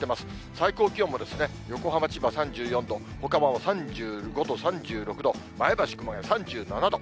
最高気温も横浜、千葉３４度、ほかも３５度、３６度、前橋、熊谷３７度。